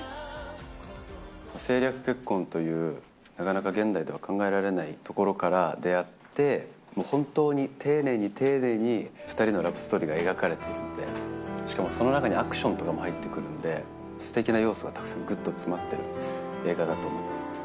政略結婚というなかなか現代では考えられないところから出会って、本当に丁寧に丁寧に２人のラブストーリーが描かれているので、しかもその中にアクションとかも入ってくるんで、すてきな要素がたくさん、ぐっと詰まっている映画だと思います。